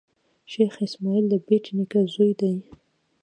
شېخ اسماعیل دبېټ نیکه زوی دﺉ.